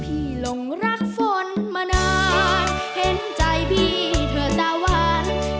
หลงรักฝนมานานเห็นใจพี่เถอะตาวัน